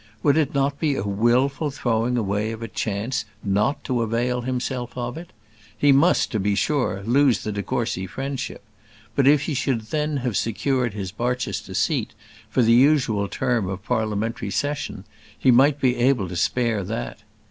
Would it not be a wilful throwing away of a chance not to avail himself of it? He must, to be sure, lose the de Courcy friendship; but if he should then have secured his Barchester seat for the usual term of parliamentary session, he might be able to spare that.